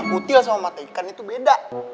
butil sama mata ikan itu beda